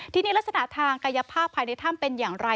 ทีนี้ลักษณะทางกายภาพภายในถ้ำเป็นอย่างไร